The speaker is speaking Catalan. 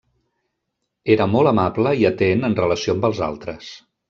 Era molt amable i atent en relació amb els altres.